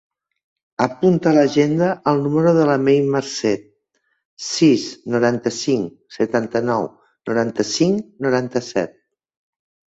Apunta a l'agenda el número de la Mei Marcet: sis, noranta-cinc, setanta-nou, noranta-cinc, noranta-set.